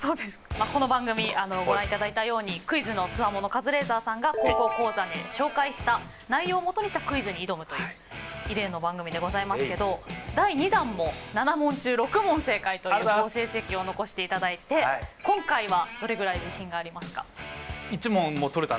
まあこの番組ご覧いただいたようにクイズの強者カズレーザーさんが「高校講座」で紹介した内容をもとにしたクイズに挑むという異例の番組でございますけどという好成績を残していただいて今回はどれぐらい自信がありますか？